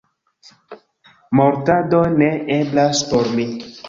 Mortado ne eblas por mi.